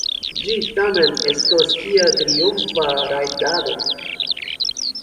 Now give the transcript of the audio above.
Ĝi tamen estos kiel triumfa rajdado.